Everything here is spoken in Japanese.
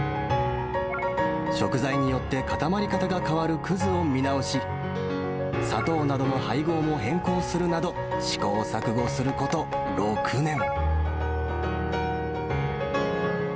食材によって固まり方が変わる葛を見直し、砂糖などの配合も変更するなど、試行錯誤すること６年。